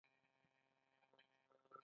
ایا زه باید یوه ورځ وروسته ورزش وکړم؟